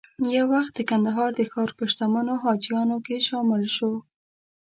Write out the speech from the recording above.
یو وخت د کندهار د ښار په شتمنو حاجیانو کې شامل شو.